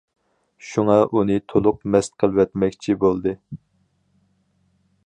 شۇڭا، ئۇنى تولۇق مەست قىلىۋەتمەكچى بولدى.